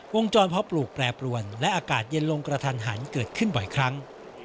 วงจรเพาะปลูกแปรปรวนและอากาศเย็นลงกระทันหันเกิดขึ้นบ่อยครั้ง